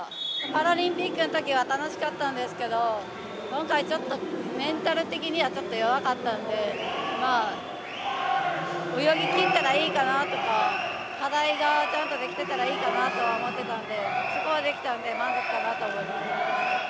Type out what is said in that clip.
パラリンピックのときは楽しかったんですけど今回、ちょっとメンタル的にはちょっと弱かったんでまあ、泳ぎきったらいいかなとか課題がちゃんとできてたらいいかなとは思ってたんでそこはできたんで満足かなと思います。